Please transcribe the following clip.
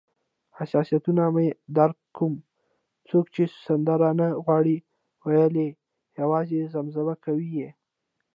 حساسیتونه مې درک کوم، څوک چې سندره نه غواړي ویلای، یوازې زمزمه کوي یې.